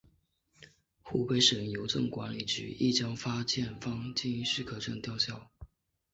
湖北省邮政管理局亦将发件方之经营许可证吊销。